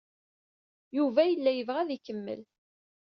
Yuba yella yebɣa ad ikemmel.